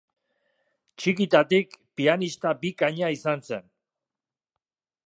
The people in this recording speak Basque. Txikitatik pianista bikaina izan zen.